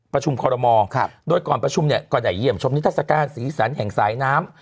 ประชุมคอรมอโดยก่อนประชุมเนี่ยก็ได้เยี่ยมชมนิทัศกาลสีสันแห่งสายน้ำ